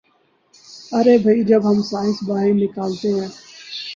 ارے بھئی جب ہم سانس باہر نکالتے ہیں